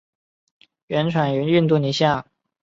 原产于印度尼西亚爪哇岛和马来西亚等地。